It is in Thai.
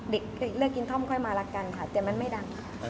เลิกกินท่อมค่อยมารักกันค่ะแต่มันไม่ดังค่ะ